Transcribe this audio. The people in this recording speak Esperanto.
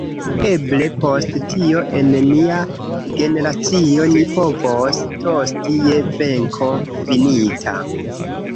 Eble post tio en nia generacio ni povos tosti je venko finita.